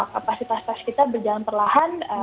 kapasitas tes kita berjalan perlahan